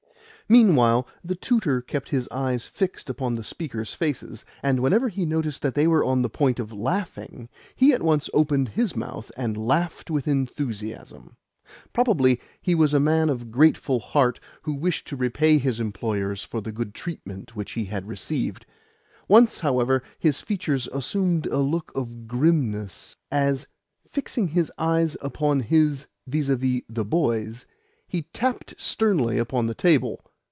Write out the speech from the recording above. Meanwhile the tutor kept his eyes fixed upon the speakers' faces; and whenever he noticed that they were on the point of laughing he at once opened his mouth, and laughed with enthusiasm. Probably he was a man of grateful heart who wished to repay his employers for the good treatment which he had received. Once, however, his features assumed a look of grimness as, fixing his eyes upon his vis a vis, the boys, he tapped sternly upon the table.